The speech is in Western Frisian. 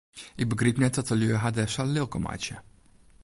Ik begryp net dat de lju har dêr sa lilk om meitsje.